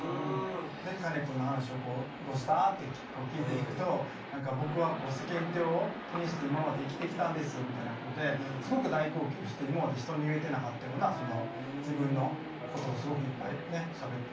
でカネくんの話をどうした？って聞いていくと「僕は世間体を気にして今まで生きてきたんです」みたいなことですごく大号泣して今まで人に言えてなかったような自分のことをすごくいっぱいしゃべりだしたんだよね。